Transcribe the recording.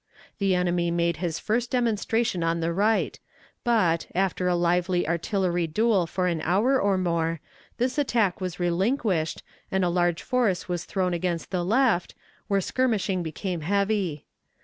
The enemy made his first demonstration on the right, but, after a lively artillery duel for an hour or more, this attack was relinquished, and a large force was thrown against the left, where skirmishing became heavy.